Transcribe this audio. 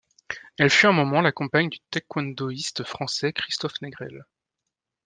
Elle fut un moment la compagne du taekwondoïste français Christophe Négrel.